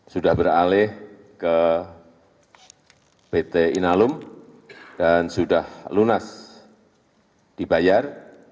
sudah beralih ke pt inalum dan sudah lunas dibayar